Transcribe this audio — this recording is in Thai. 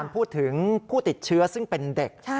พูดถึงผู้ติดเชื้อซึ่งเป็นเด็ก